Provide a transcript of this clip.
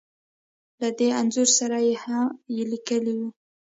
له دې انځور سره يې ليکلې وو .